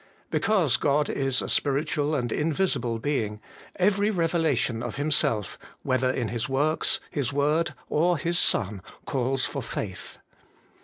Because God is a Spiritual and Invisible Being, every revelation of Himself, whether in His works, His word, or His Son, calls for faith.